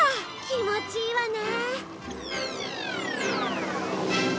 気持ちいいわね！